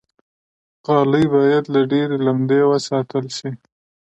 غالۍ باید له ډېرې لمدې وساتل شي.